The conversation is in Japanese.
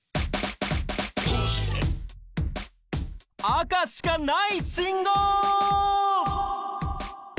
赤しかない信号！